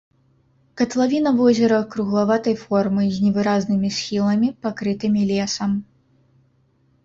Катлавіна возера круглаватай формы з невыразнымі схіламі, пакрытымі лесам.